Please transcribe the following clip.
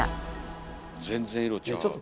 全然色ちゃう。